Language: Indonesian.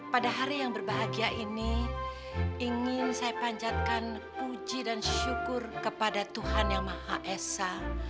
pada hari yang berbahagia ini ingin saya panjatkan puji dan syukur kepada tuhan yang maha esa